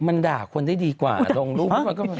มันด่าคนได้ดีกว่าลงรูป